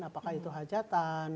apakah itu hajatan